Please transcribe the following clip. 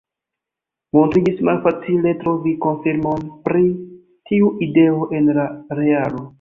Montriĝis malfacile trovi konfirmon pri tiu ideo en la realo.